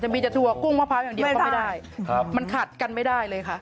จะมีจัตรูกุ้งพะพร้าวอย่างเดียวก็ไม่ได้มันขาดกันไม่ได้เลยค่ะ